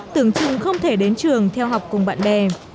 tưởng chừng không thể đến trường theo học cùng bạn bè